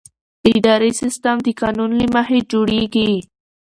اداري سیستم د قانون له مخې جوړېږي.